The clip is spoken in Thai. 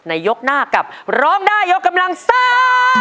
ยกหน้ากับร้องได้ยกกำลังซ่า